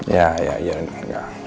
ya ya ya enggak